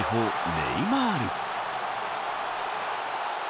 ネイマール。